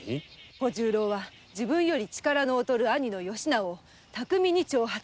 小十郎は自分より力の劣る兄の義直を巧みに挑発。